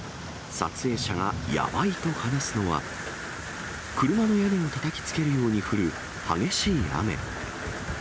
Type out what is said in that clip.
撮影者がやばいと話すのは、車の屋根をたたきつけるように降る激しい雨。